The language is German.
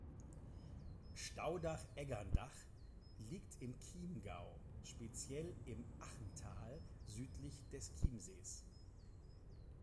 Staudach-Egerndach liegt im Chiemgau, speziell im Achental südlich des Chiemsees.